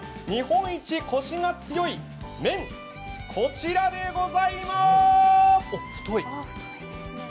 日本一コシが強い麺、こちらでございます。